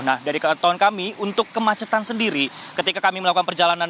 nah dari ketahuan kami untuk kemacetan sendiri ketika kami melakukan perjalanan